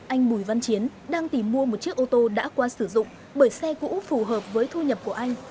anh bùi văn chiến đang tìm mua một chiếc ô tô đã qua sử dụng bởi xe cũ phù hợp với thu nhập của anh